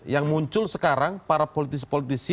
yang muncul sekarang para politisi politisi